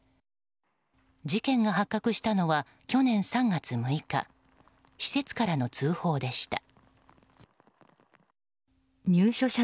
事件が発覚したのは去年３月６日施設からの通報でした。